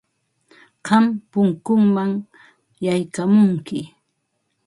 Qam punkunpam yaykamunki.